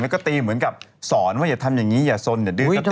แล้วก็ตีเหมือนกับสอนว่าอย่าทำอย่างนี้อย่าสนอย่าดื้อ